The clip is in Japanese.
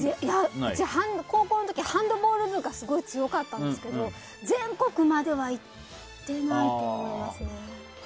うち、高校の時ハンドボール部がすごく強かったんですけど全国までは行ってないと思いますね。